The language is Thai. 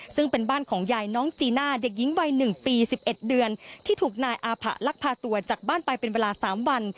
ซึ่งเป็นบ้านของยายน้องจีน่าเด็กหญิงวัย๑ปี๑๑เดือนที่ถูกนายอาผะลักพาตัวจากบ้านไปเป็นเวลา๓วัน